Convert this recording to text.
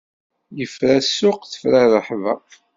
Yefra ssuq tefra ṛṛeḥba!